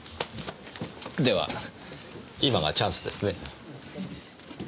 では今がチャンスですね。